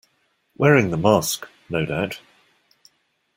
Wearing the mask, no doubt.